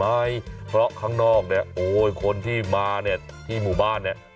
ไม่เพราะข้างนอกเนี่ยโอ้ยคนที่มาเนี่ยที่หมู่บ้านเนี่ย